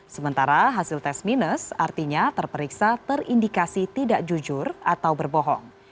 sementara hasil tes minus artinya terperiksa terindikasi tidak jujur atau berbohong